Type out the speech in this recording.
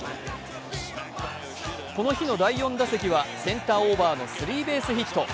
この日の第４打席はセンターオーバーのスリーベースヒット。